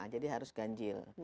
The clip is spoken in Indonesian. jadi harus ganjil